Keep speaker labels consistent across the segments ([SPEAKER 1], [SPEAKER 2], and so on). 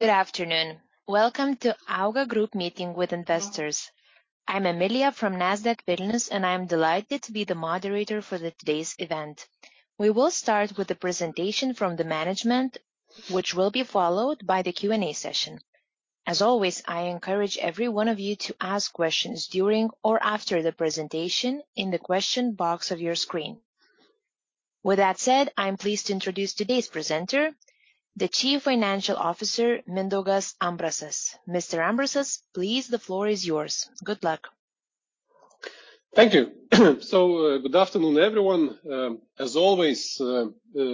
[SPEAKER 1] Good afternoon. Welcome to Auga Group meeting with investors. I'm Emilija Ivanauskaitė from Nasdaq Vilnius, and I'm delighted to be the moderator for today's event. We will start with the presentation from the management, which will be followed by the Q&A session. As always, I encourage every one of you to ask questions during or after the presentation in the question box of your screen. With that said, I'm pleased to introduce today's presenter, the Chief Financial Officer, Mindaugas Ambrasas. Mr. Ambrasas, please, the floor is yours. Good luck.
[SPEAKER 2] Thank you. Good afternoon, everyone. As always,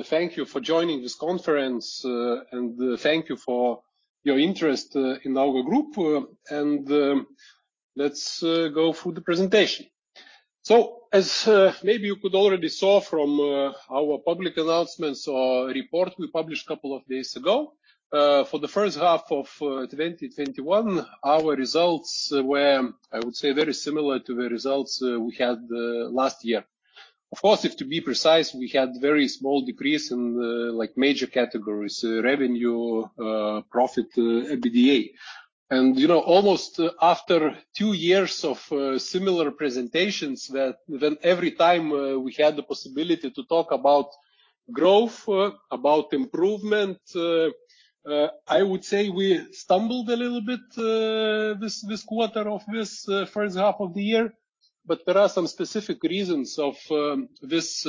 [SPEAKER 2] thank you for joining this conference, and thank you for your interest in Auga Group. Let's go through the presentation. As maybe you could already saw from our public announcements or report we published a couple of days ago, for the first half of 2021, our results were, I would say, very similar to the results we had last year. Of course, if to be precise, we had very small decrease in major categories, revenue, profit, EBITDA. Almost after two years of similar presentations that every time we had the possibility to talk about growth, about improvement, I would say we stumbled a little bit this quarter of this first half of the year. There are some specific reasons of this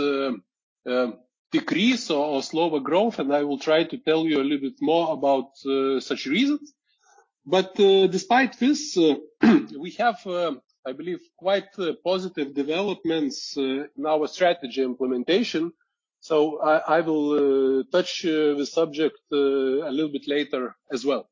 [SPEAKER 2] decrease or slower growth, and I will try to tell you a little bit more about such reasons. Despite this, we have, I believe, quite positive developments in our strategy implementation. I will touch the subject a little bit later as well.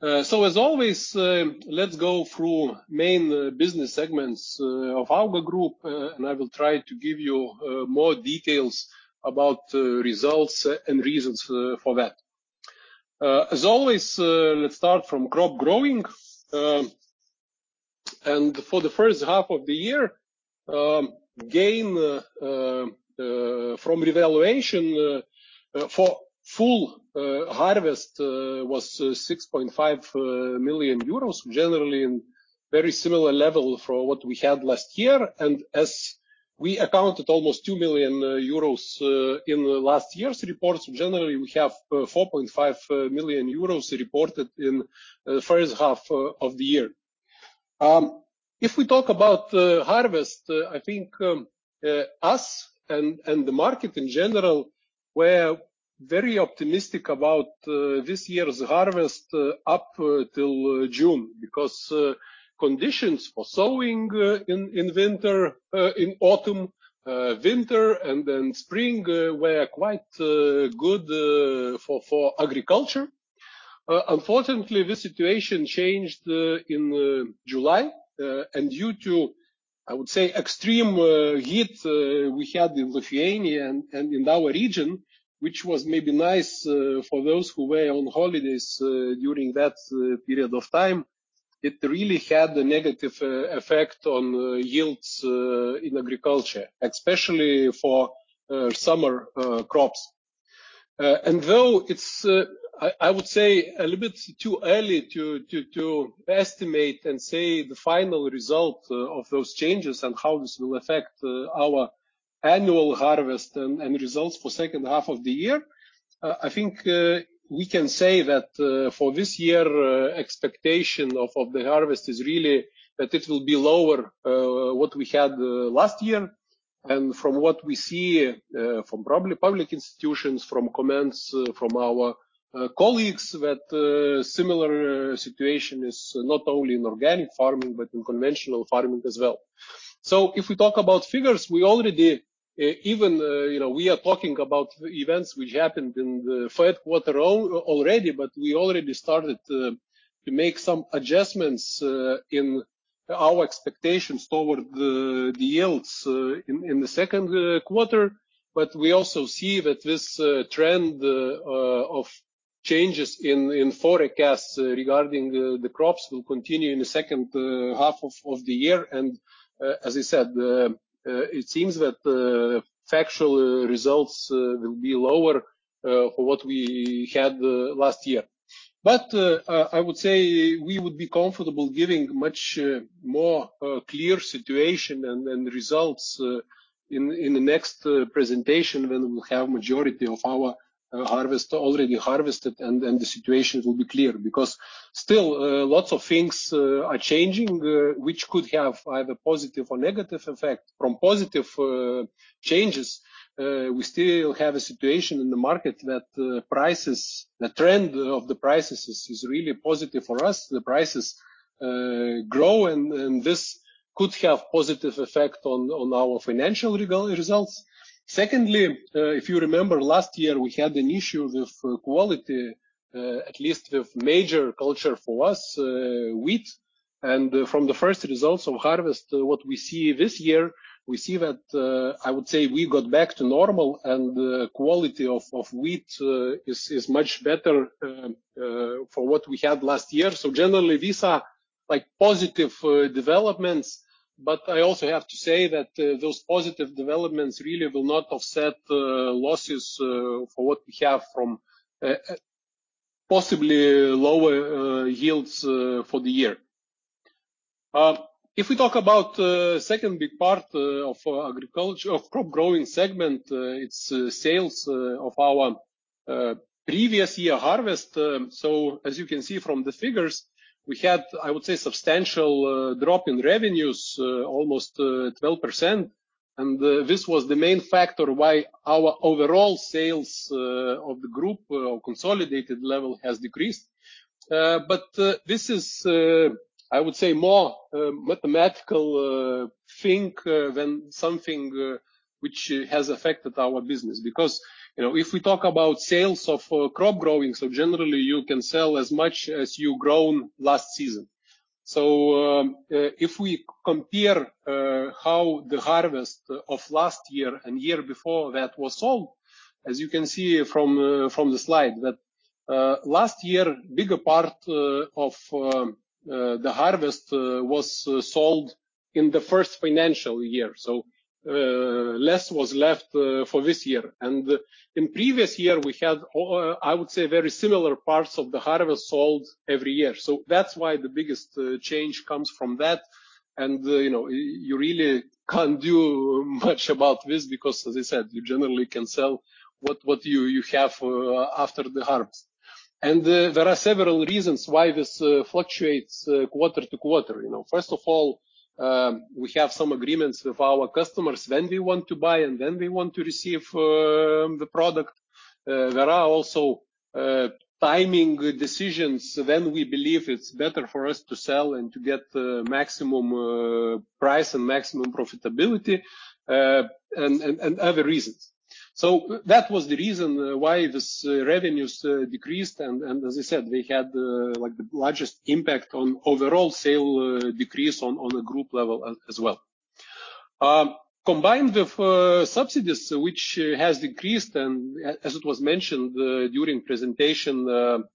[SPEAKER 2] As always, let's go through main business segments of Auga Group, and I will try to give you more details about results and reasons for that. As always, let's start from crop growing. For the first half of the year, gain from revaluation for full harvest was 6.5 million euros, generally very similar level for what we had last year. As we accounted almost 2 million euros in last year's reports, generally we have 4.5 million euros reported in the first half of the year. If we talk about harvest, I think us and the market in general were very optimistic about this year's harvest up till June because conditions for sowing in autumn, winter, and then spring were quite good for agriculture. Unfortunately, the situation changed in July, and due to, I would say, extreme heat we had in Lithuania and in our region, which was maybe nice for those who were on holidays during that period of time, it really had a negative effect on yields in agriculture, especially for summer crops. Though it's, I would say, a little bit too early to estimate and say the final result of those changes and how this will affect our annual harvest and results for second half of the year, I think we can say that for this year, expectation of the harvest is really that it will be lower what we had last year. From what we see from probably public institutions, from comments from our colleagues, that similar situation is not only in organic farming, but in conventional farming as well. If we talk about figures, we are talking about events which happened in the first quarter already, but we already started to make some adjustments in our expectations toward the yields in the second quarter. We also see that this trend of changes in forecasts regarding the crops will continue in the second half of the year. As I said, it seems that factual results will be lower for what we had last year. I would say we would be comfortable giving much more clear situation and results in the next presentation when we'll have majority of our harvest already harvested and the situation will be clear because still lots of things are changing, which could have either positive or negative effect. From positive changes, we still have a situation in the market that the trend of the prices is really positive for us. The prices grow, and this could have positive effect on our financial results. Secondly, if you remember last year, we had an issue with quality, at least with major culture for us, wheat. From the first results of harvest, what we see this year, we see that, I would say, we got back to normal, and the quality of wheat is much better for what we had last year. Generally, these are like positive developments, but I also have to say that those positive developments really will not offset losses for what we have from possibly lower yields for the year. If we talk about second big part of crop growing segment, it's sales of our previous year harvest. As you can see from the figures, we had, I would say, substantial drop in revenues, almost 12%. This was the main factor why our overall sales of the group or consolidated level has decreased. This is, I would say, more mathematical thing than something which has affected our business. If we talk about sales of crop growing, generally, you can sell as much as you've grown last season. If we compare how the harvest of last year and year before that was sold, as you can see from the slide, that last year, bigger part of the harvest was sold in the first financial year, less was left for this year. In previous year, we had, I would say, very similar parts of the harvest sold every year. That's why the biggest change comes from that, you really can't do much about this because as I said, you generally can sell what you have after the harvest. There are several reasons why this fluctuates quarter-to-quarter. First of all, we have some agreements with our customers when we want to buy and when we want to receive the product. There are also timing decisions when we believe it's better for us to sell and to get maximum price and maximum profitability, and other reasons. That was the reason why this revenues decreased, and as I said, we had the largest impact on overall sale decrease on a group level as well. Combined with subsidies, which has increased and as it was mentioned during presentation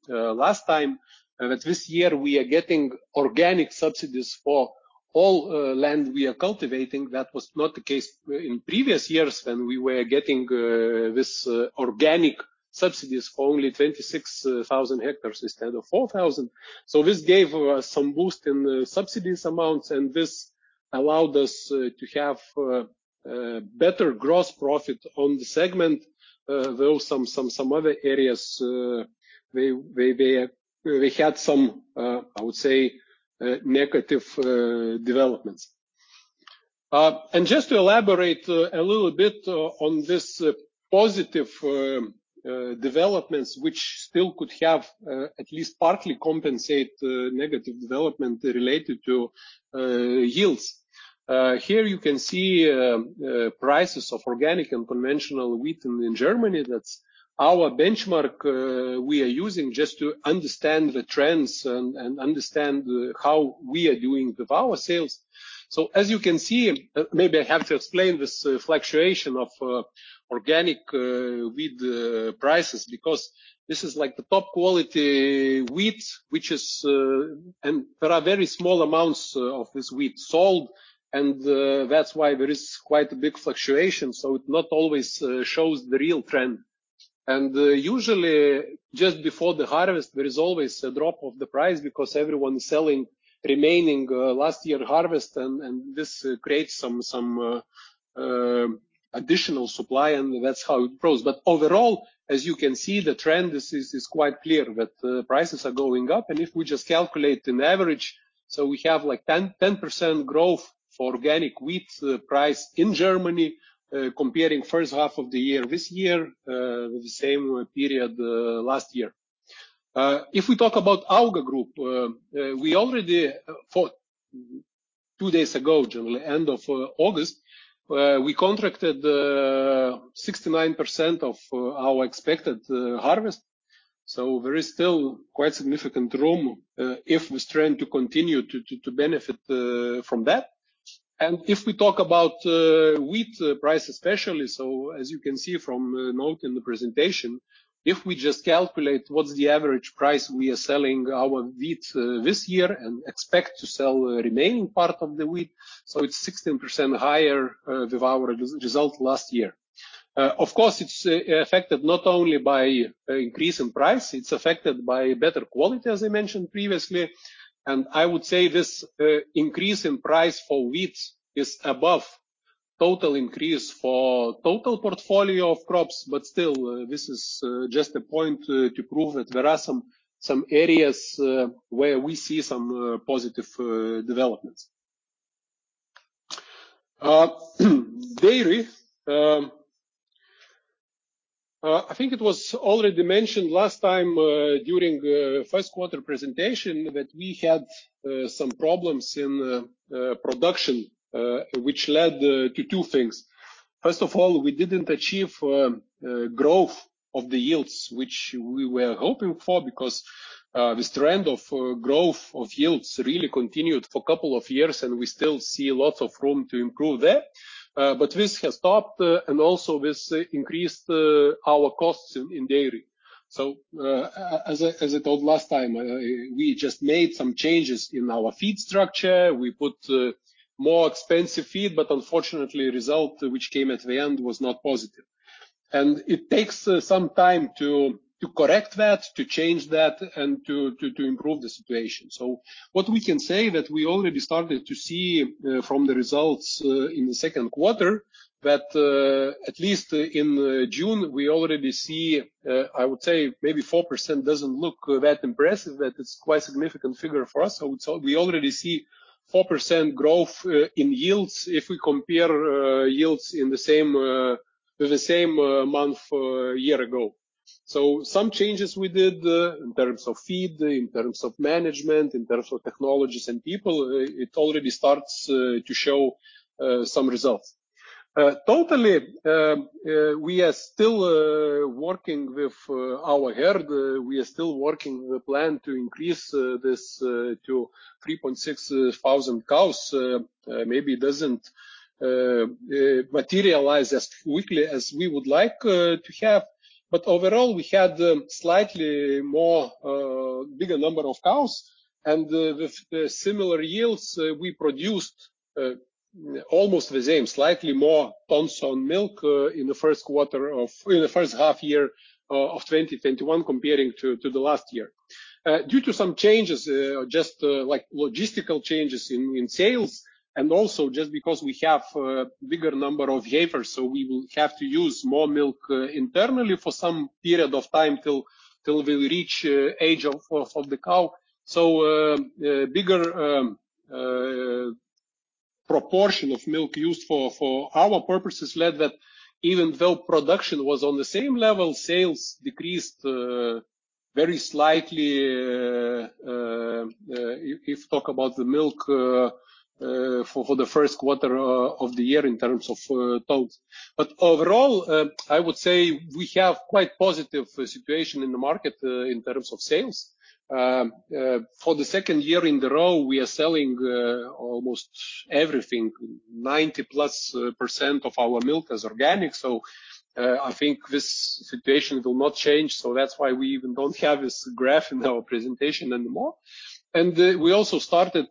[SPEAKER 2] last time, that this year we are getting organic subsidies for all land we are cultivating. That was not the case in previous years when we were getting this organic subsidies for only 26,000 hectares instead of 4,000 hectares. This gave us some boost in subsidies amounts, and this allowed us to have better gross profit on the segment, though some other areas they had some, I would say, negative developments. Just to elaborate a little bit on this positive developments, which still could have at least partly compensate negative development related to yields. Here you can see prices of organic and conventional wheat in Germany. That's our benchmark we are using just to understand the trends and understand how we are doing with our sales. As you can see, maybe I have to explain this fluctuation of organic wheat prices, because this is the top quality wheat, and there are very small amounts of this wheat sold, and that's why there is quite a big fluctuation. It not always shows the real trend. Usually, just before the harvest, there is always a drop of the price because everyone's selling remaining last year harvest, and this creates some additional supply, and that's how it grows. Overall, as you can see, the trend is quite clear that prices are going up. If we just calculate an average, we have 10% growth for organic wheat price in Germany comparing first half of the year this year with the same period last year. If we talk about Auga Group, we already thought two days ago, generally end of August, we contracted 69% of our expected harvest. There is still quite significant room if we strive to continue to benefit from that. If we talk about wheat price especially, as you can see from note in the presentation, if we just calculate what's the average price we are selling our wheat this year and expect to sell remaining part of the wheat, it's 16% higher with our result last year. Of course, it's affected not only by increase in price, it's affected by better quality, as I mentioned previously. I would say this increase in price for wheat is above total increase for total portfolio of crops. Still, this is just a point to prove that there are some areas where we see some positive developments. Dairy. I think it was already mentioned last time, during first quarter presentation, that we had some problems in production, which led to two things. First of all, we didn't achieve growth of the yields which we were hoping for because this trend of growth of yields really continued for a couple of years, and we still see lots of room to improve there. This has stopped, and also this increased our costs in dairy. As I told last time, we just made some changes in our feed structure. We put more expensive feed, but unfortunately, result which came at the end was not positive. It takes some time to correct that, to change that, and to improve the situation. What we can say that we already started to see from the results in the second quarter, that at least in June, we already see, I would say maybe 4% doesn't look that impressive, but it's quite a significant figure for us. I would say we already see 4% growth in yields if we compare yields with the same month a year ago. Some changes we did in terms of feed, in terms of management, in terms of technologies and people, it already starts to show some results. Totally, we are still working with our herd. We are still working with plan to increase this to 3,600 cows. Maybe it doesn't materialize as quickly as we would like to have. Overall, we had slightly more bigger number of cows and with similar yields, we produced almost the same, slightly more tons on milk in the first half year of 2021 comparing to the last year. Due to some changes, just logistical changes in sales and also just because we have a bigger number of heifers, we will have to use more milk internally for some period of time till we reach age of the cow. Bigger proportion of milk used for our purposes led that even though production was on the same level, sales decreased very slightly, if you talk about the milk for the first quarter of the year in terms of tons. Overall, I would say we have quite positive situation in the market in terms of sales. For the second year in a row, we are selling almost everything, 90+% of our milk is organic. I think this situation will not change. That's why we even don't have this graph in our presentation anymore. We also started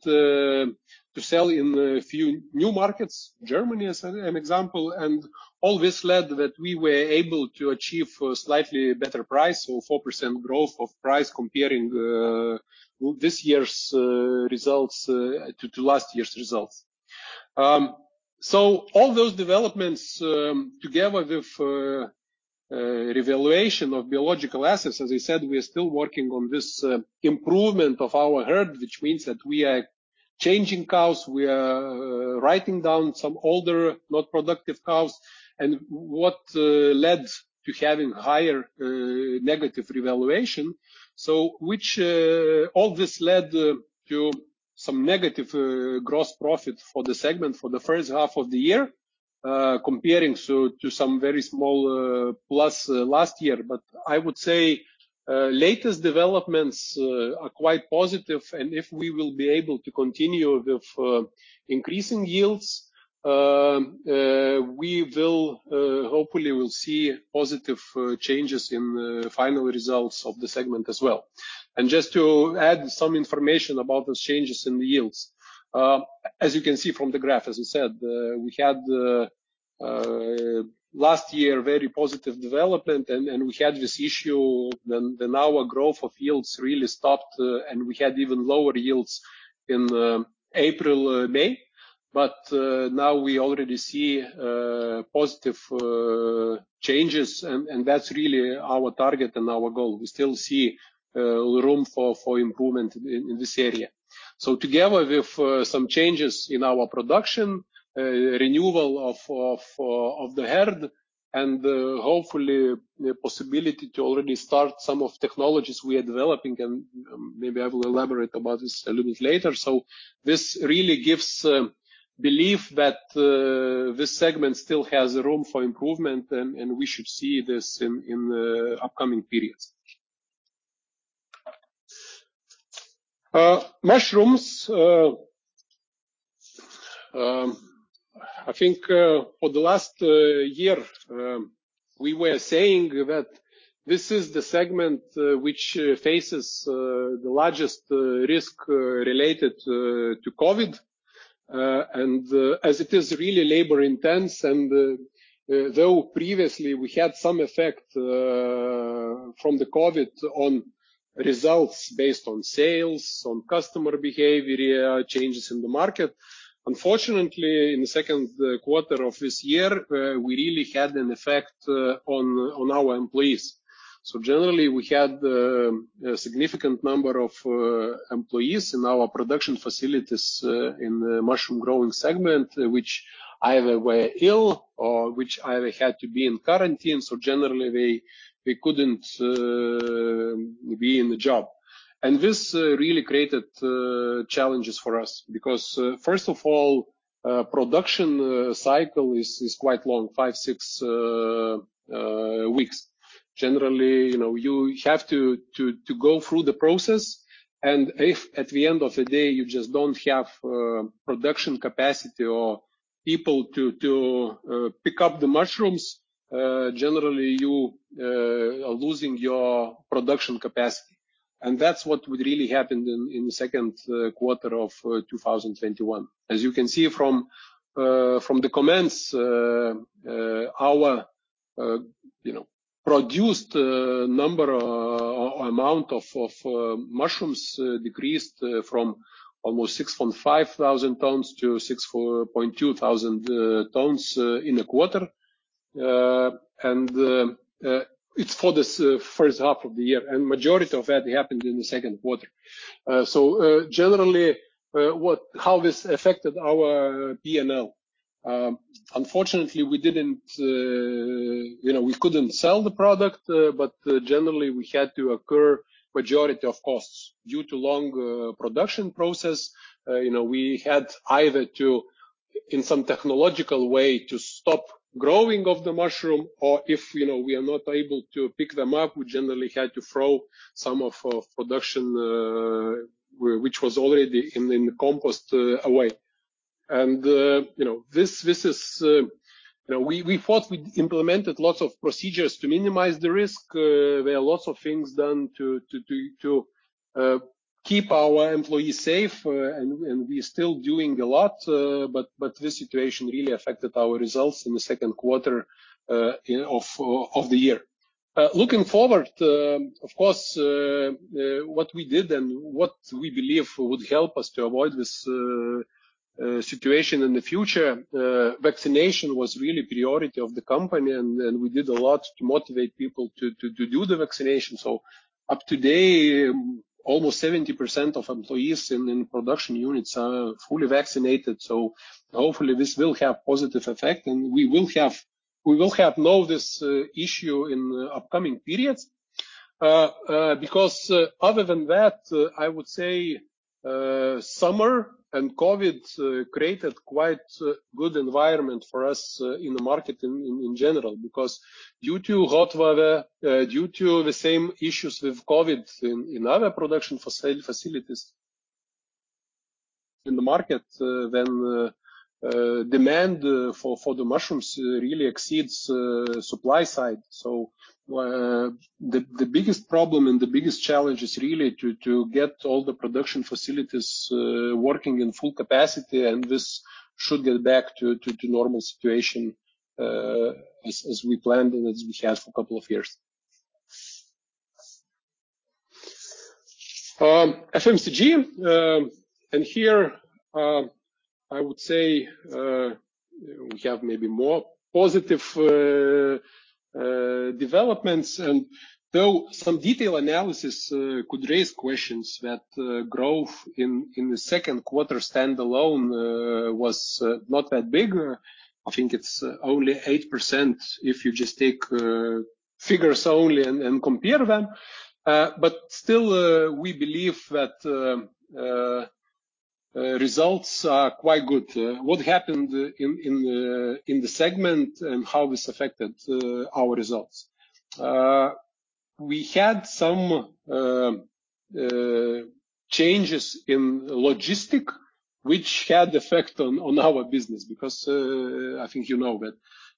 [SPEAKER 2] to sell in a few new markets, Germany as an example. All this led that we were able to achieve a slightly better price or 4% growth of price comparing this year's results to last year's results. All those developments, together with revaluation of biological assets, as I said, we are still working on this improvement of our herd, which means that we are changing cows, we are writing down some older, not productive cows, and what led to having higher negative revaluation. All this led to some negative gross profit for the segment for the first half of the year, comparing to some very small plus last year. I would say latest developments are quite positive, and if we will be able to continue with increasing yields, we will hopefully see positive changes in final results of the segment as well. Just to add some information about those changes in the yields. As you can see from the graph, as I said, we had last year very positive development, and we had this issue, then our growth of yields really stopped, and we had even lower yields in April, May. Now we already see positive changes, and that's really our target and our goal. We still see room for improvement in this area. Together with some changes in our production, renewal of the herd and hopefully the possibility to already start some of technologies we are developing, and maybe I will elaborate about this a little bit later. This really gives belief that this segment still has room for improvement, and we should see this in the upcoming periods. Mushrooms. I think for the last year, we were saying that this is the segment which faces the largest risk related to COVID, and as it is really labor-intense, and though previously we had some effect from the COVID on results based on sales, on customer behavior, changes in the market. Unfortunately, in the second quarter of this year, we really had an effect on our employees. Generally, we had a significant number of employees in our production facilities in the mushroom growing segment, which either were ill or which either had to be in quarantine. Generally, they couldn't be in the job. This really created challenges for us because, first of all, production cycle is quite long, five, six weeks. Generally, you have to go through the process, and if at the end of the day, you just don't have production capacity or people to pick up the mushrooms, generally, you are losing your production capacity. That's what would really happen in the second quarter of 2021. As you can see from the comments, our produced amount of mushrooms decreased from almost 6,500 tons to 6,200 tons in a quarter. It's for this first half of the year. Majority of that happened in the second quarter. Generally, how this affected our P&L. Unfortunately, we couldn't sell the product, but generally, we had to incur majority of costs. Due to long production process, we had either to, in some technological way, to stop growing of the mushroom, or if we are not able to pick them up, we generally had to throw some of production which was already in the compost away. We thought we implemented lots of procedures to minimize the risk. There are lots of things done to keep our employees safe, and we're still doing a lot. This situation really affected our results in the second quarter of the year. Looking forward, of course, what we did and what we believe would help us to avoid this situation in the future, vaccination was really priority of the company, and we did a lot to motivate people to do the vaccination. Up today, almost 70% of employees in production units are fully vaccinated. Hopefully, this will have positive effect, and we will have now this issue in upcoming periods. Other than that, I would say summer and COVID created quite good environment for us in the market in general. Due to hot weather, due to the same issues with COVID in other production facilities in the market, demand for the mushrooms really exceeds supply side. The biggest problem and the biggest challenge is really to get all the production facilities working in full capacity, and this should get back to normal situation as we planned and as we had for a couple of years. FMCG. Here I would say we have maybe more positive developments. Though some detail analysis could raise questions that growth in the second quarter standalone was not that big. I think it's only 8% if you just take figures only and compare them. Still, we believe that results are quite good. What happened in the segment and how this affected our results. We had some changes in logistic, which had effect on our business because I think you know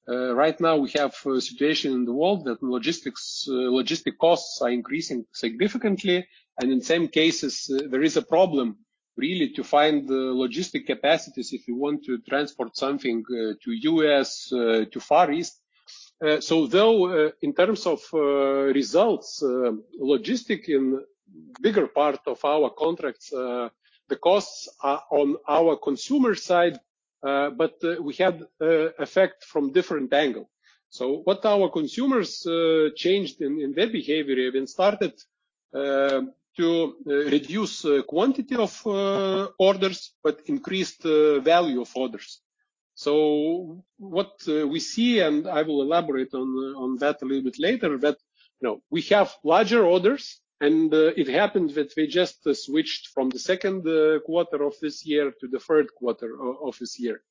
[SPEAKER 2] that right now we have a situation in the world that logistic costs are increasing significantly, and in some cases, there is a problem really to find logistic capacities if you want to transport something to U.S., to Far East. Though in terms of results, logistic in bigger part of our contracts, the costs are on our consumer side, but we had effect from different angle. What our consumers changed in their behavior, they started to reduce quantity of orders but increased value of orders. What we see, and I will elaborate on that a little bit later, that we have larger orders, and it happened that we just switched from the second quarter of this year to the third quarter of this year.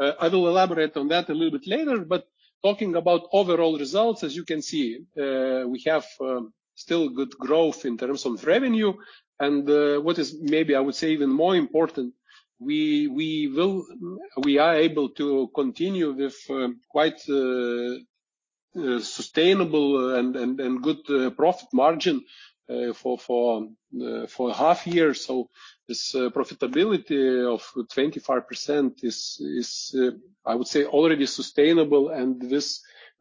[SPEAKER 2] I will elaborate on that a little bit later. Talking about overall results, as you can see, we have still good growth in terms of revenue. What is maybe I would say even more important, we are able to continue with quite sustainable and good profit margin for half year. This profitability of 25% is, I would say, already sustainable, and this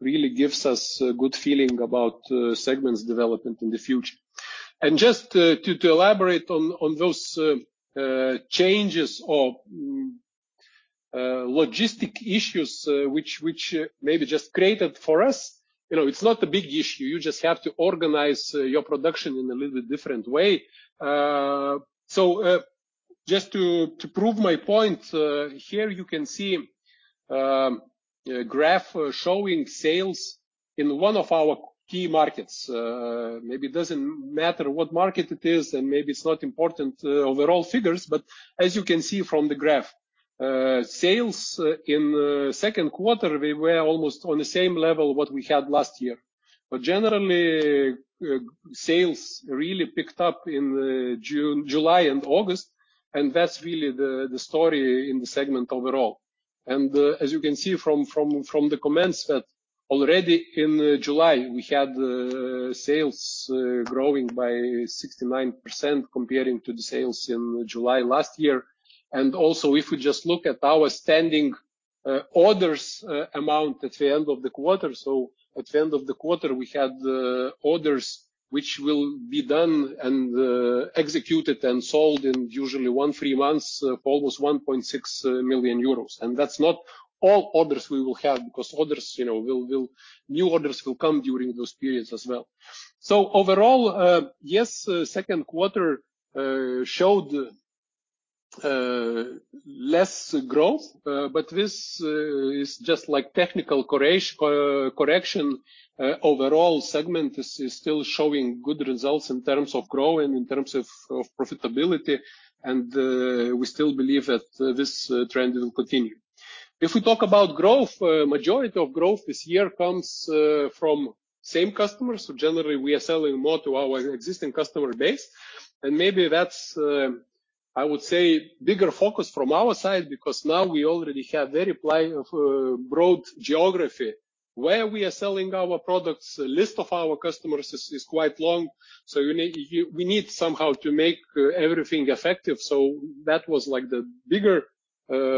[SPEAKER 2] really gives us good feeling about segment's development in the future. Just to elaborate on those changes or logistic issues which maybe just created for us, it is not a big issue. You just have to organize your production in a little bit different way. Just to prove my point, here you can see graph showing sales in one of our key markets. Maybe it doesn't matter what market it is, maybe it's not important, overall figures, as you can see from the graph, sales in the second quarter, we were almost on the same level what we had last year. Generally, sales really picked up in July and August, that's really the story in the segment overall. As you can see from the comments that already in July, we had sales growing by 69% comparing to the sales in July last year. Also, if we just look at our standing orders amount at the end of the quarter. At the end of the quarter, we had orders which will be done and executed and sold in usually one, three months, almost 1.6 million euros. That's not all orders we will have because new orders will come during those periods as well. Overall, yes, second quarter showed less growth, but this is just like technical correction. Overall segment is still showing good results in terms of growth and in terms of profitability and we still believe that this trend will continue. If we talk about growth, majority of growth this year comes from same customers. Generally, we are selling more to our existing customer base, and maybe that's, I would say, bigger focus from our side because now we already have very broad geography. Where we are selling our products, list of our customers is quite long, so we need somehow to make everything effective. That was the bigger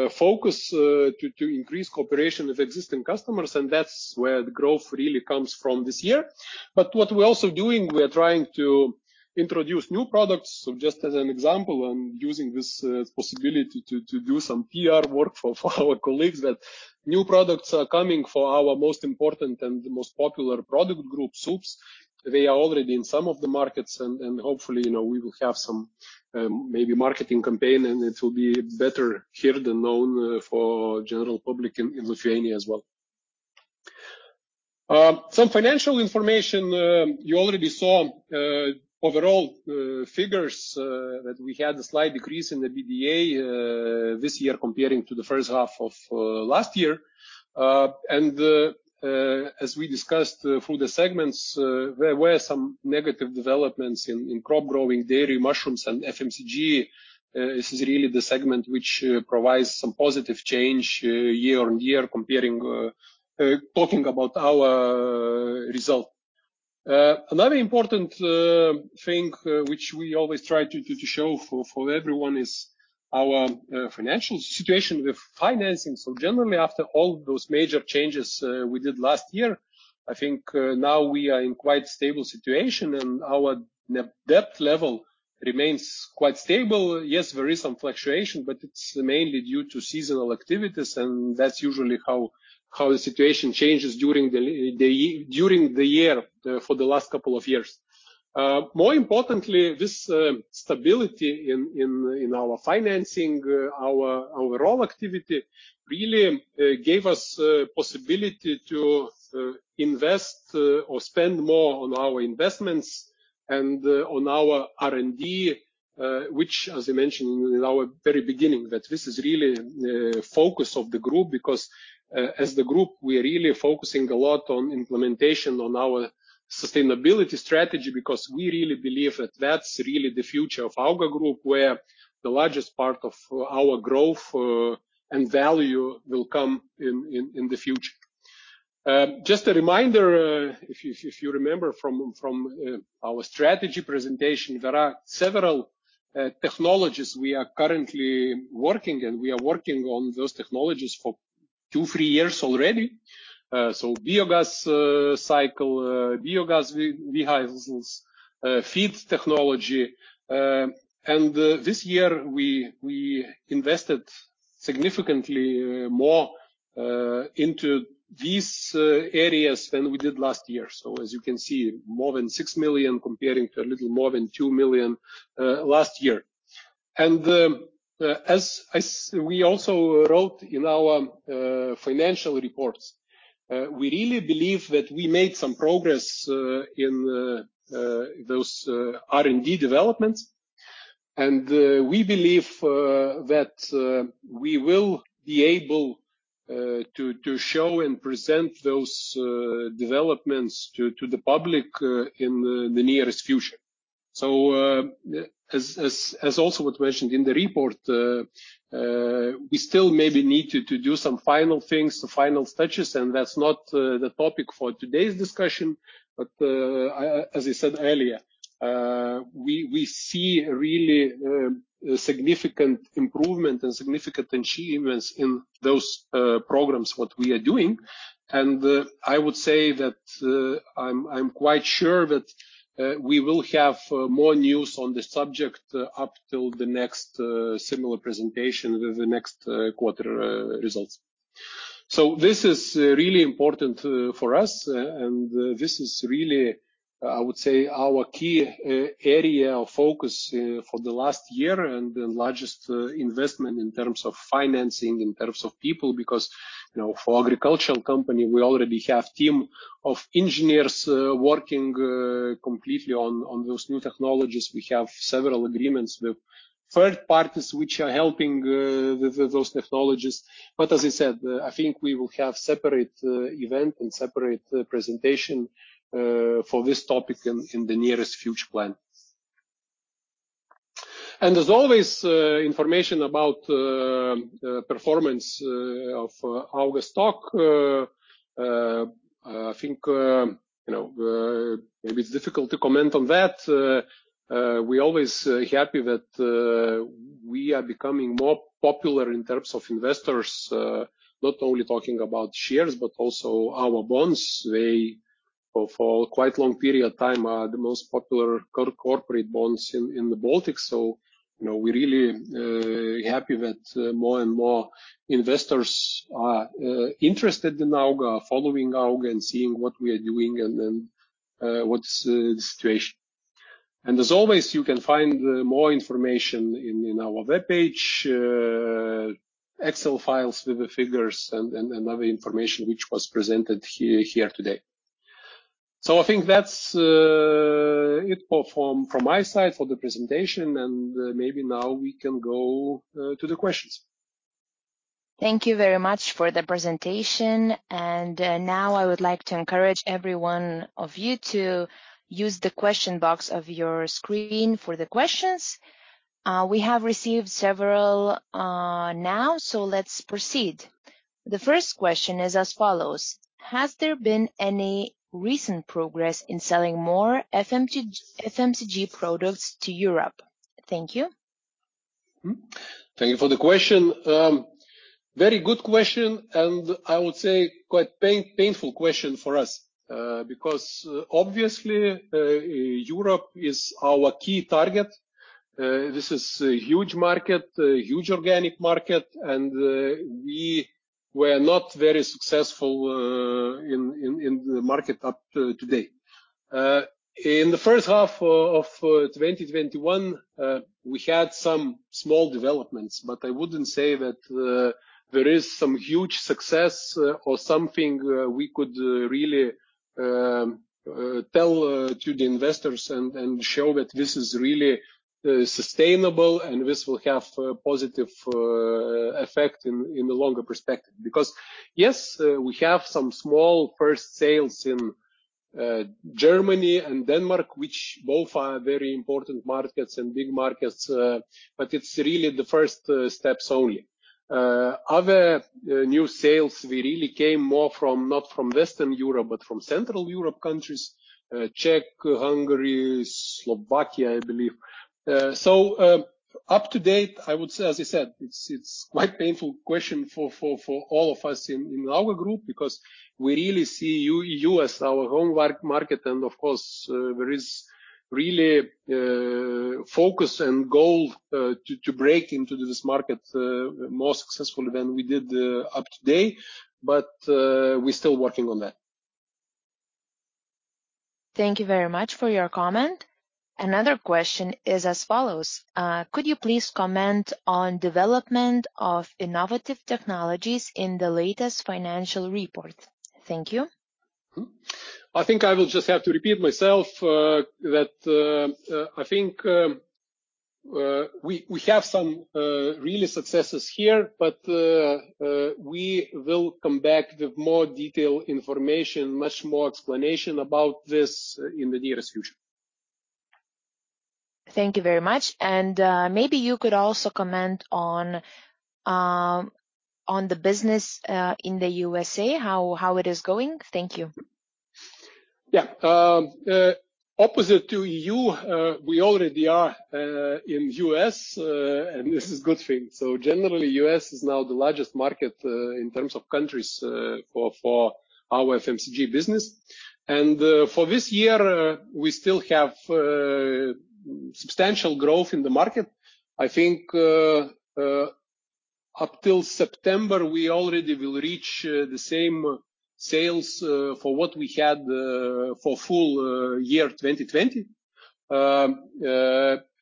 [SPEAKER 2] focus, to increase cooperation with existing customers, and that's where the growth really comes from this year. What we're also doing, we are trying to introduce new products. Just as an example, and using this possibility to do some PR work for our colleagues, that new products are coming for our most important and most popular product group, soups. They are already in some of the markets, and hopefully, we will have some maybe marketing campaign, and it will be better here than known for general public in Lithuania as well. Some financial information. You already saw overall figures, that we had a slight decrease in the EBITDA this year comparing to the first half of last year. As we discussed through the segments, there were some negative developments in crop growing, dairy, mushrooms, and FMCG. This is really the segment which provides some positive change year-on-year comparing, talking about our result. Another important thing which we always try to show for everyone is our financial situation with financing. Generally, after all those major changes we did last year, I think now we are in quite stable situation, and our net debt level remains quite stable. Yes, there is some fluctuation, but it's mainly due to seasonal activities, and that's usually how the situation changes during the year for the last couple of years. More importantly, this stability in our financing, our overall activity really gave us possibility to invest or spend more on our investments and on our R&D, which, as I mentioned in our very beginning, that this is really the focus of the group because as the group, we are really focusing a lot on implementation on our sustainability strategy because we really believe that that's really the future of Auga Group, where the largest part of our growth and value will come in the future. Just a reminder, if you remember from our strategy presentation, there are several technologies we are currently working, and we are working on those technologies for two, three years already. Biogas cycle, biogas vehicles, feed technology. This year we invested significantly more into these areas than we did last year. As you can see, more than 6 million comparing to a little more than 2 million last year. As we also wrote in our financial reports, we really believe that we made some progress in those R&D developments, and we believe that we will be able to show and present those developments to the public in the nearest future. As also what mentioned in the report, we still maybe need to do some final things, the final touches, and that's not the topic for today's discussion. As I said earlier, we see really significant improvement and significant achievements in those programs, what we are doing. I would say that I'm quite sure that we will have more news on this subject up till the next similar presentation with the next quarter results. This is really important for us, and this is really I would say our key area of focus for the last year and the largest investment in terms of financing, in terms of people, because for agricultural company, we already have team of engineers working completely on those new technologies. We have several agreements with third parties which are helping with those technologies. As I said, I think we will have separate event and separate presentation for this topic in the nearest future plans. As always, information about performance of Auga stock, I think maybe it's difficult to comment on that. We always happy that we are becoming more popular in terms of investors, not only talking about shares but also our bonds. They, for quite long period of time, are the most popular corporate bonds in the Baltics. We're really happy that more and more investors are interested in Auga, following Auga, and seeing what we are doing, and then what's the situation. As always, you can find more information in our webpage, Excel files with the figures, and other information which was presented here today. I think that's it from my side for the presentation, and maybe now we can go to the questions.
[SPEAKER 1] Thank you very much for the presentation. Now I would like to encourage every one of you to use the question box of your screen for the questions. We have received several now. Let's proceed. The first question is as follows: Has there been any recent progress in selling more FMCG products to Europe? Thank you.
[SPEAKER 2] Thank you for the question. Very good question, and I would say quite painful question for us. Obviously, Europe is our key target. This is a huge market, a huge organic market, and we were not very successful in the market up to today. In the first half of 2021, we had some small developments, but I wouldn't say that there is some huge success or something we could really tell to the investors and show that this is really sustainable and this will have a positive effect in the longer perspective. Yes, we have some small first sales in Germany and Denmark, which both are very important markets and big markets, but it's really the first steps only. Other new sales, we really came more from not from Western Europe, but from Central Europe countries, Czech, Hungary, Slovakia, I believe. Up to date, I would say, as I said, it's quite painful question for all of us in Auga Group because we really see EU as our home market. Of course, there is really focus and goal to break into this market more successfully than we did up to date. We're still working on that.
[SPEAKER 1] Thank you very much for your comment. Another question is as follows. Could you please comment on development of innovative technologies in the latest financial report? Thank you.
[SPEAKER 2] I think I will just have to repeat myself, that I think we have some real successes here, but we will come back with more detailed information, much more explanation about this in the nearest future.
[SPEAKER 1] Thank you very much. Maybe you could also comment on the business in the U.S.A., how it is going. Thank you.
[SPEAKER 2] Yeah. Opposite to EU, we already are in U.S. This is good thing. Generally, U.S. is now the largest market in terms of countries for our FMCG business. For this year, we still have substantial growth in the market. I think up till September, we already will reach the same sales for what we had for full year 2020.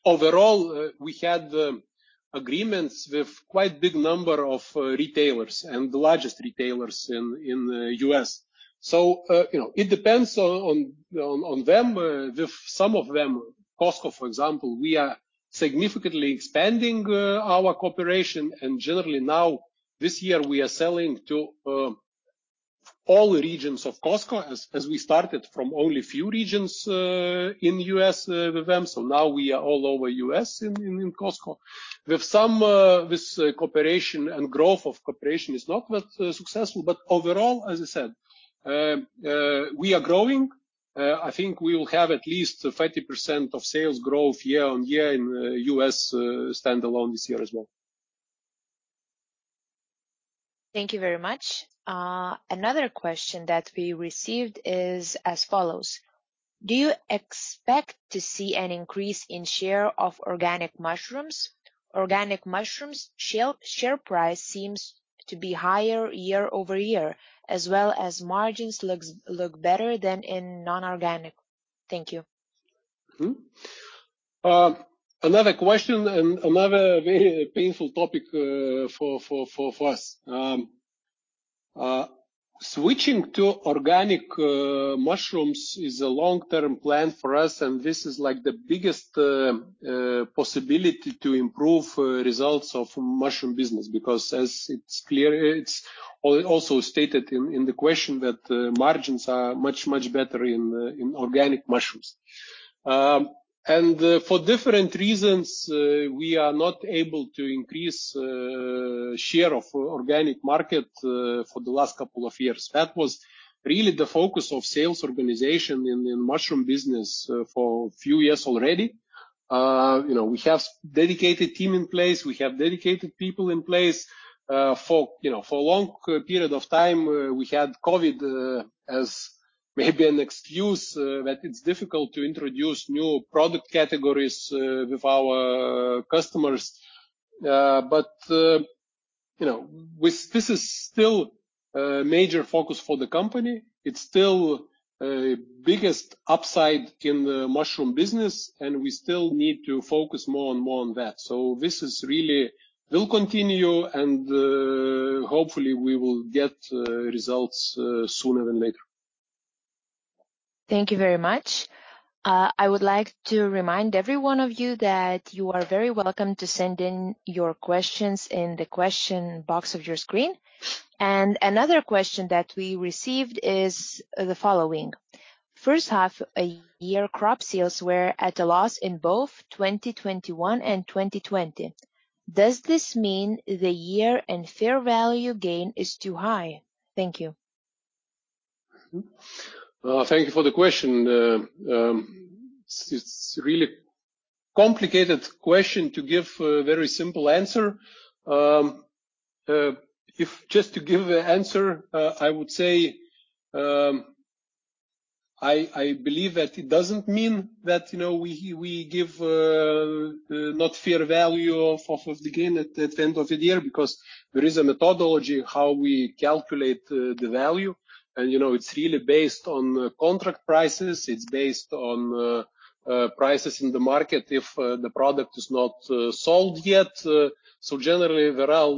[SPEAKER 2] Overall, we had agreements with quite big number of retailers and the largest retailers in the U.S. It depends on them. With some of them, Costco, for example, we are significantly expanding our cooperation. Generally now this year, we are selling to all regions of Costco, as we started from only few regions in U.S. with them. Now we are all over U.S. in Costco. With some, this cooperation and growth of cooperation is not that successful. Overall, as I said, we are growing. I think we will have at least 50% of sales growth year-on-year in U.S. standalone this year as well.
[SPEAKER 1] Thank you very much. Another question that we received is as follows. Do you expect to see an increase in share of organic mushrooms? Organic mushrooms share price seems to be higher year-over-year, as well as margins look better than in non-organic. Thank you.
[SPEAKER 2] Mm-hmm. Another question and another very painful topic for us. Switching to organic mushrooms is a long-term plan for us, and this is the biggest possibility to improve results of mushroom business, because as it's also stated in the question, that margins are much, much better in organic mushrooms. For different reasons, we are not able to increase share of organic market for the last couple of years. That was really the focus of sales organization in mushroom business for few years already. We have dedicated team in place. We have dedicated people in place. For a long period of time, we had COVID as maybe an excuse that it's difficult to introduce new product categories with our customers. This is still a major focus for the company. It's still biggest upside in the mushroom business, and we still need to focus more and more on that. This really will continue, and hopefully, we will get results sooner than later.
[SPEAKER 1] Thank you very much. I would like to remind every one of you that you are very welcome to send in your questions in the question box of your screen. Another question that we received is the following. First half a year crop sales were at a loss in both 2021 and 2020. Does this mean the year-end fair value gain is too high? Thank you.
[SPEAKER 2] Mm-hmm. Thank you for the question. It's a really complicated question to give a very simple answer. Just to give an answer, I would say, I believe that it doesn't mean that we give not fair value of the gain at the end of the year, because there is a methodology how we calculate the value. It's really based on contract prices. It's based on prices in the market if the product is not sold yet. Generally, there are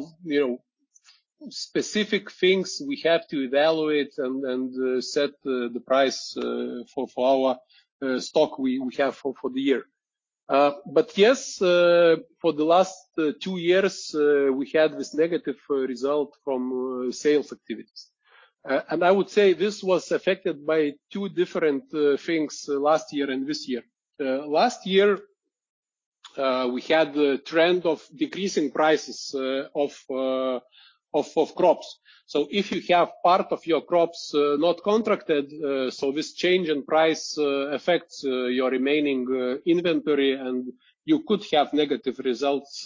[SPEAKER 2] specific things we have to evaluate and set the price for our stock we have for the year. Yes, for the last two years, we had this negative result from sales activities. I would say this was affected by two different things last year and this year. Last year, we had the trend of decreasing prices of crop. If you have part of your crops not contracted, so this change in price affects your remaining inventory, and you could have negative results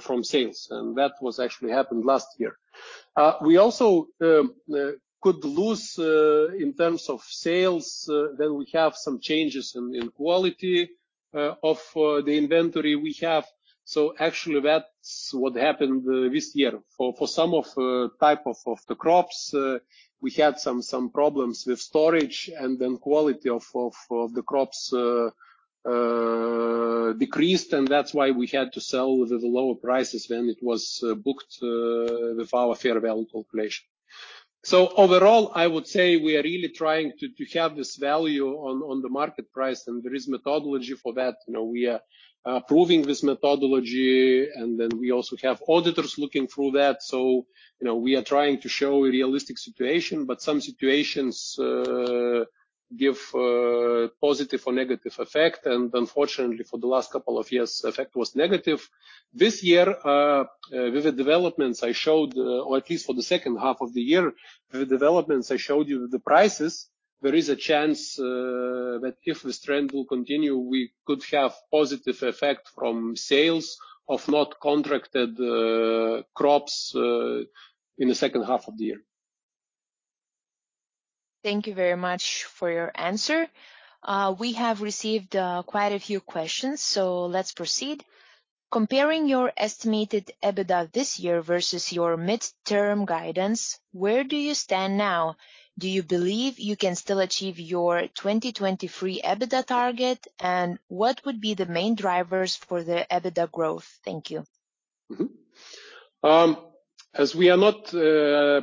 [SPEAKER 2] from sales. That was actually happened last year. We also could lose in terms of sales, then we have some changes in quality of the inventory we have. Actually, that's what happened this year. For some of type of the crops, we had some problems with storage, and then quality of the crops decreased, and that's why we had to sell at the lower prices than it was booked with our fair value calculation. Overall, I would say we are really trying to have this value on the market price, and there is methodology for that. We are approving this methodology, and then we also have auditors looking through that. We are trying to show a realistic situation, but some situations give a positive or negative effect, and unfortunately, for the last couple of years, effect was negative. This year, with the developments I showed, or at least for the second half of the year, the developments I showed you the prices, there is a chance that if this trend will continue, we could have positive effect from sales of not contracted crops in the second half of the year.
[SPEAKER 1] Thank you very much for your answer. We have received quite a few questions, so let's proceed. Comparing your estimated EBITDA this year versus your midterm guidance, where do you stand now? Do you believe you can still achieve your 2023 EBITDA target? What would be the main drivers for the EBITDA growth? Thank you.
[SPEAKER 2] As we are not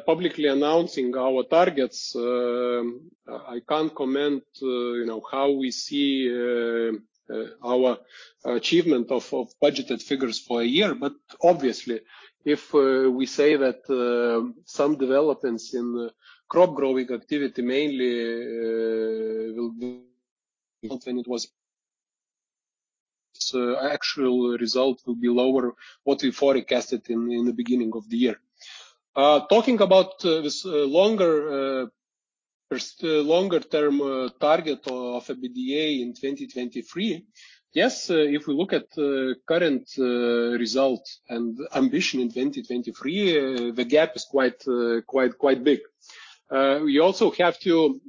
[SPEAKER 2] publicly announcing our targets, I can't comment how we see our achievement of budgeted figures for a year. Obviously, if we say that some developments in crop growing activity mainly will be different than it was, actual result will be lower what we forecasted in the beginning of the year. Talking about this longer term target of EBITDA in 2023, yes, if we look at the current result and ambition in 2023, the gap is quite big. We also have to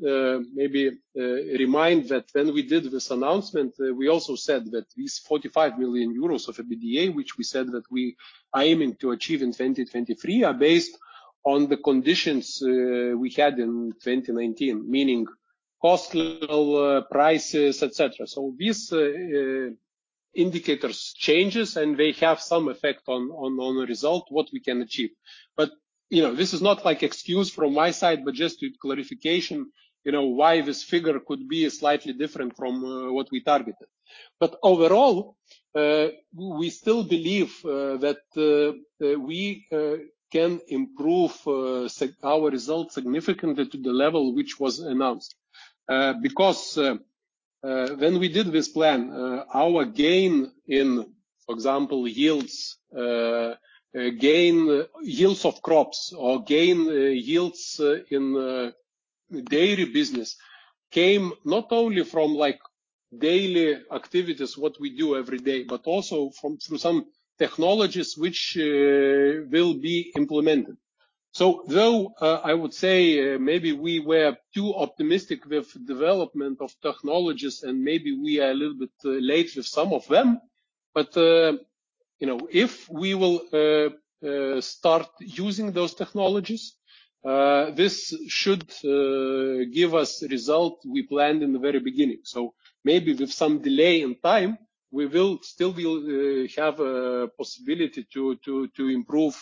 [SPEAKER 2] maybe remind that when we did this announcement, we also said that these 45 million euros of EBITDA, which we said that we are aiming to achieve in 2023, are based on the conditions we had in 2019, meaning cost level, prices, et cetera. These indicators changes, and they have some effect on the result, what we can achieve. This is not excuse from my side, but just with clarification, why this figure could be slightly different from what we targeted. Overall, we still believe that we can improve our results significantly to the level which was announced. When we did this plan, our gain in, for example, yields of crops, or gain yields in dairy business, came not only from daily activities, what we do every day, but also through some technologies which will be implemented. Though I would say maybe we were too optimistic with development of technologies, and maybe we are a little bit late with some of them. If we will start using those technologies, this should give us the result we planned in the very beginning. Maybe with some delay in time, we will still have a possibility to improve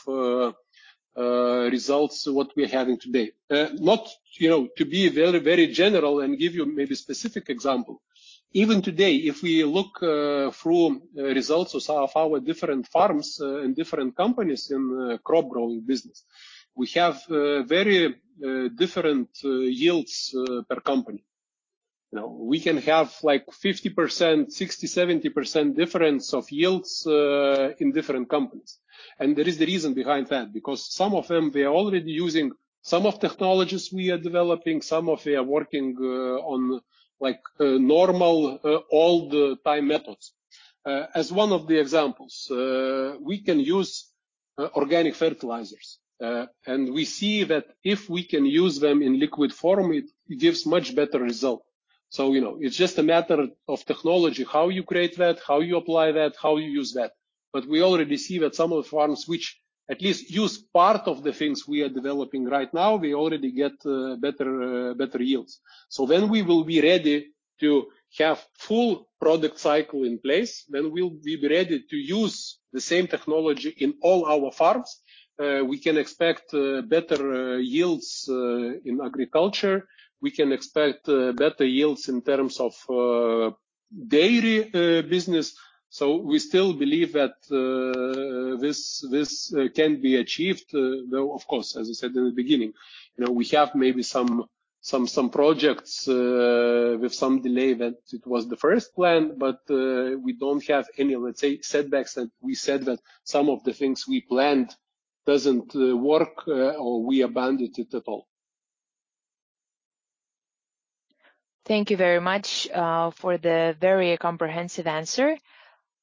[SPEAKER 2] results what we're having today. Not to be very general and give you maybe specific example. Even today, if we look through results of our different farms and different companies in crop growing business, we have very different yields per company. We can have 50%, 60%, 70% difference of yields in different companies. There is the reason behind that, because some of them, they are already using some of technologies we are developing. Some of they are working on normal all the time methods. As one of the examples, we can use organic fertilizers. We see that if we can use them in liquid form, it gives much better result. It's just a matter of technology, how you create that, how you apply that, how you use that. We already see that some of the farms which at least use part of the things we are developing right now, they already get better yields. When we will be ready to have full product cycle in place, when we'll be ready to use the same technology in all our farms, we can expect better yields in agriculture. We can expect better yields in terms of dairy business. We still believe that this can be achieved, though, of course, as I said in the beginning, we have maybe some projects with some delay that it was the first plan, but we don't have any, let's say, setbacks that we said that some of the things we planned doesn't work or we abandoned it at all.
[SPEAKER 1] Thank you very much for the very comprehensive answer.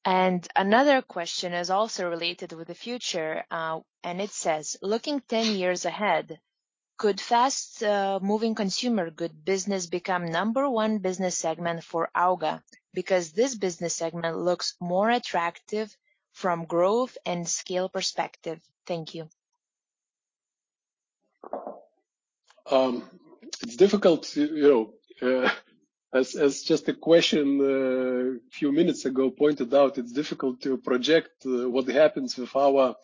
[SPEAKER 1] Another question is also related with the future. It says: looking 10 years ahead, could fast-moving consumer good business become number one business segment for Auga? Because this business segment looks more attractive from growth and scale perspective. Thank you.
[SPEAKER 2] As just a question a few minutes ago pointed out, it's difficult to project what happens with our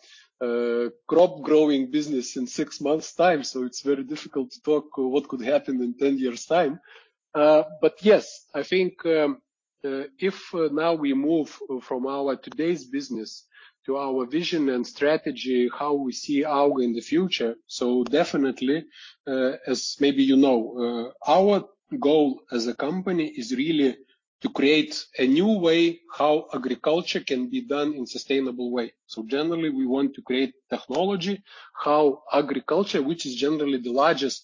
[SPEAKER 2] crop growing business in six months' time. It's very difficult to talk what could happen in 10 years' time. Yes, I think if now we move from our today's business to our vision and strategy, how we see Auga in the future, definitely, as maybe you know, our goal as a company is really to create a new way how agriculture can be done in sustainable way. Generally, we want to create technology, how agriculture, which is generally the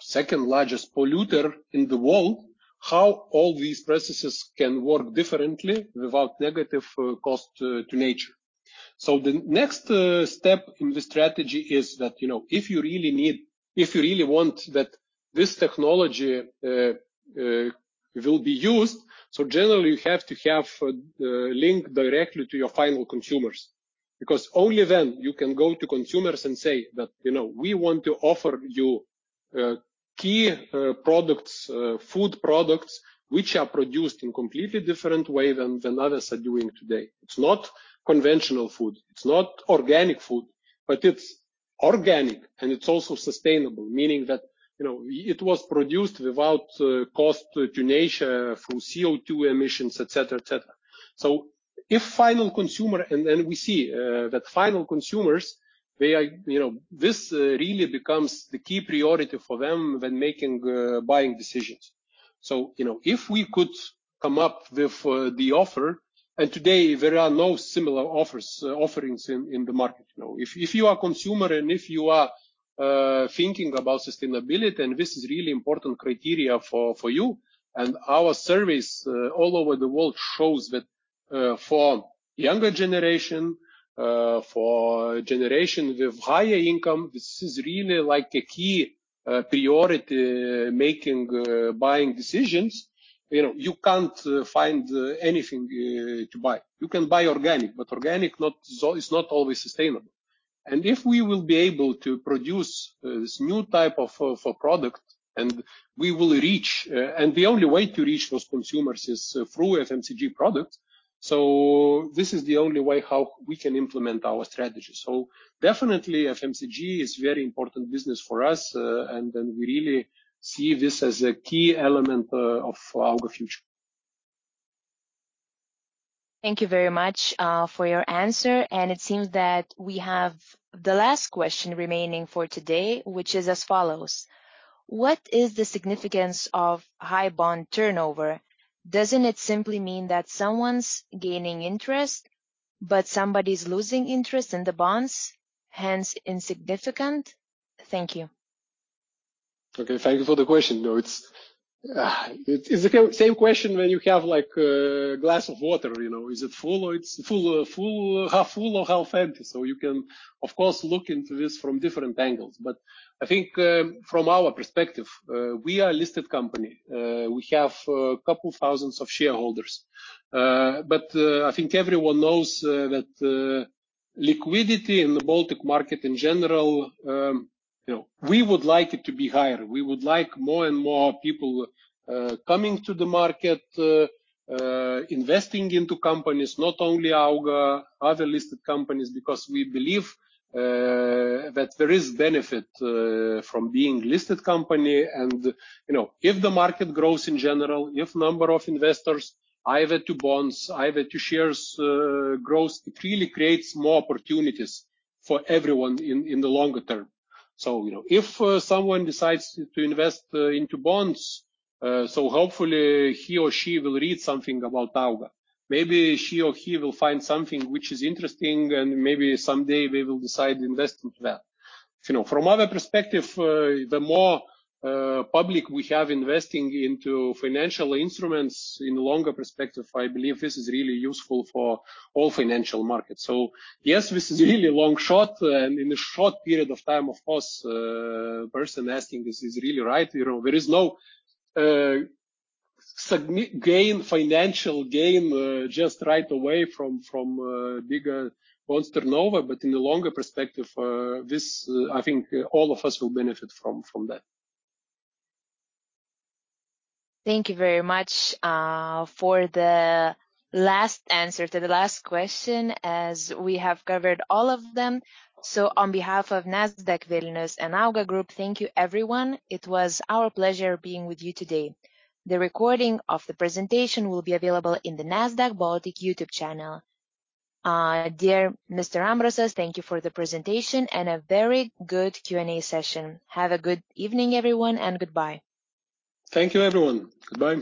[SPEAKER 2] second largest polluter in the world, how all these processes can work differently without negative cost to nature. The next step in the strategy is that if you really want that this technology will be used, so generally, you have to have a link directly to your final consumers. Only then you can go to consumers and say that, We want to offer you key products, food products, which are produced in completely different way than others are doing today. It's not conventional food, it's not organic food, but it's organic, and it's also sustainable, meaning that it was produced without cost to nature, from CO2 emissions, et cetera. We see that final consumers, this really becomes the key priority for them when making buying decisions. If we could come up with the offer, and today there are no similar offerings in the market. If you are a consumer if you are thinking about sustainability, this is really important criteria for you. Our surveys all over the world shows that. For younger generation, for generation with higher income, this is really a key priority making buying decisions. You can't find anything to buy. You can buy organic is not always sustainable. If we will be able to produce this new type of product, the only way to reach those consumers is through FMCG products. This is the only way how we can implement our strategy. Definitely, FMCG is very important business for us, we really see this as a key element of our future.
[SPEAKER 1] Thank you very much for your answer. It seems that we have the last question remaining for today, which is as follows: What is the significance of high bond turnover? Doesn't it simply mean that someone's gaining interest, but somebody's losing interest in the bonds, hence insignificant? Thank you.
[SPEAKER 2] Okay. Thank you for the question. No, it's the same question when you have a glass of water. Is it half full or half empty? You can, of course, look into this from different angles. I think from our perspective, we are a listed company. We have a couple thousands of shareholders. I think everyone knows that liquidity in the Baltic market in general, we would like it to be higher. We would like more and more people coming to the market, investing into companies, not only Auga, other listed companies, because we believe that there is benefit from being listed company. If the market grows in general, if number of investors, either to bonds, either to shares grows, it really creates more opportunities for everyone in the longer term. If someone decides to invest into bonds, so hopefully he or she will read something about Auga. Maybe she or he will find something which is interesting, and maybe someday they will decide to invest into that. From other perspective, the more public we have investing into financial instruments in longer perspective, I believe this is really useful for all financial markets. Yes, this is really long shot, and in a short period of time, of course, person asking this is really right. There is no financial gain just right away from bigger bond turnover, but in the longer perspective, I think all of us will benefit from that.
[SPEAKER 1] Thank you very much for the last answer to the last question as we have covered all of them. On behalf of Nasdaq Vilnius and Auga Group, thank you, everyone. It was our pleasure being with you today. The recording of the presentation will be available in the Nasdaq Baltic YouTube channel. Dear Mr. Ambrasas, thank you for the presentation and a very good Q&A session. Have a good evening, everyone, and goodbye.
[SPEAKER 2] Thank you, everyone. Goodbye.